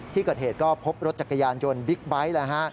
ที่เกิดเหตุก็พบรถจักรยานยนต์บิ๊กไบท์นะฮะ